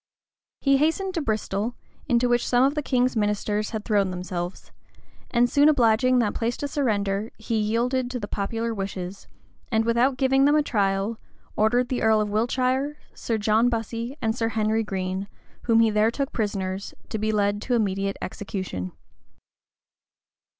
He hastened to Bristol, into which some of the king's ministers had thrown themselves; and soon obliging that place to surrender, he yielded to the popular wishes, and without giving them a trial, ordered the earl of Wiltshire, Sir John Bussy, and Sir Henry Green, whom he there took prisoners, to be led to immediate execution.